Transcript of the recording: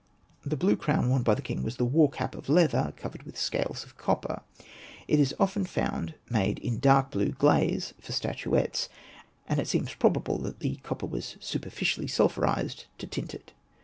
The blue crown worn by the king was the war cap of leather covered with scales of copper : it is often found made in dark blue glaze for statuettes, and it seems probable that the copper was superficially sulphurised to tint it.